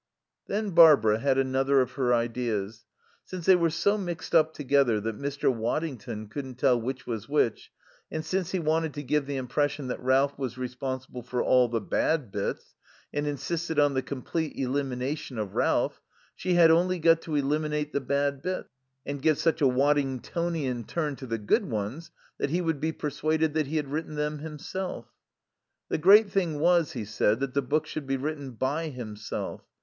Then Barbara had another of her ideas. Since they were so mixed up together that Mr. Waddington couldn't tell which was which, and since he wanted to give the impression that Ralph was responsible for all the bad bits, and insisted on the complete elimination of Ralph, she had only got to eliminate the bad bits and give such a Waddingtonian turn to the good ones that he would be persuaded that he had written them himself. The great thing was, he said, that the book should be written by himself.